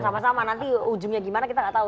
sama sama nanti ujungnya gimana kita nggak tahu